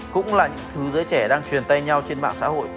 cũng là những thứ giới trẻ đang truyền tay nhau trên mạng xã hội